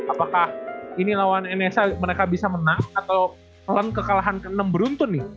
apakah ini lawan nsa mereka bisa menang atau lem kekalahan ke enam beruntun nih